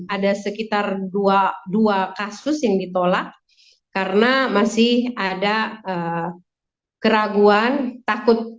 ada sekitar dua kasus yang ditolak karena masih ada keraguan takut